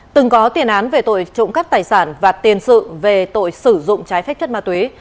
từng có tiền án về tội trụng cắt tài sản và tiền sự về tội sử dụng trái phách chất ma tuế